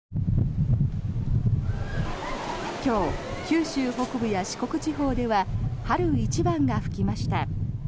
今日、九州北部や四国地方では春一番が吹きました。